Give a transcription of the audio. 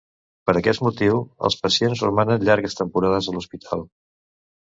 Per aquest motiu, els pacients romanen llargues temporades a l'hospital.